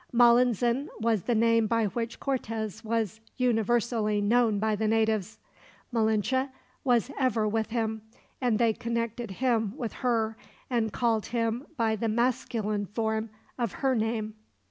Malinzin was the name by which Cortez was universally known by the natives. Malinche was ever with him, and they connected him with her, and called him by the masculine form of her name.